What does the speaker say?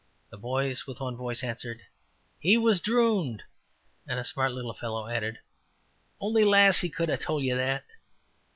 The boys with one voice answered, ``He was drooned''; and a smart little fellow added, ``Ony lassie could hae told you that.''